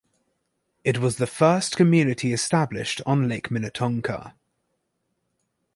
It was the first community established on Lake Minnetonka.